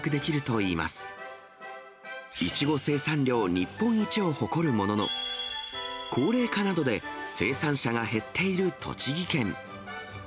いちご生産量日本一を誇るものの、高齢化などで生産者が減っている栃木県。